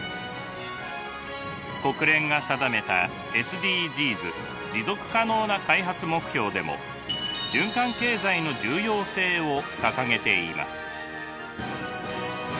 国連が定めたＳＤＧｓ持続可能な開発目標でも循環経済の重要性を掲げています。